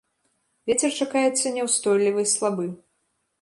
Вецер чакаецца няўстойлівы слабы.